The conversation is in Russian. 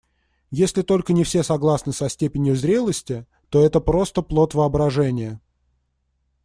Если только не все согласны со степенью зрелости, то это просто плод воображения.